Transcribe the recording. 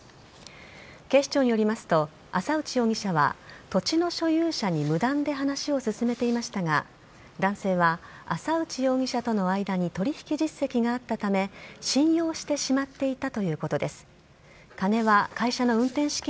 警視庁によりますと浅内容疑者は土地の所有者に無断で話を進めていましたが男性は浅内容疑者との間に取引実績があったため２打席連続ホームランでチームを勝利に導きました。